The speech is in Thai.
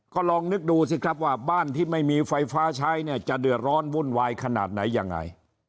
ก็ลองนึกดูสิครับว่าบ้านที่ไม่มีไฟฟ้าใช้เนี่ยจะเดือดร้อนวุ่นวายขนาดไหนยังไง